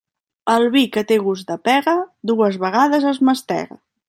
El vi que té gust de pega dues vegades es mastega.